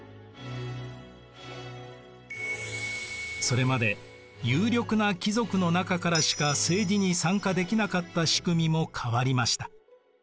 それまで有力な貴族の中からしか政治に参加できなかった仕組みも変わりました。